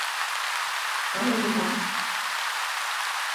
噉你點諗？